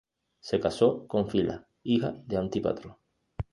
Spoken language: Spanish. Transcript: Se casó con Fila, hija de Antípatro.